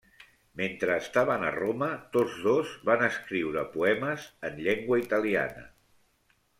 Mentre estaven a Roma, tots dos van escriure poemes en llengua italiana.